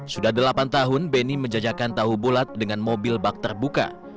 sudah delapan tahun benny menjajakan tahu bulat dengan mobil bak terbuka